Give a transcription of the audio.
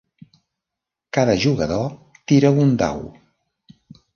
Cada jugador tira un dau.